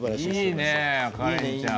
いいねえカレンちゃん。